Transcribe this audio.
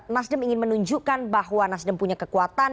nasdem ingin menunjukkan bahwa nasdem punya kekuatan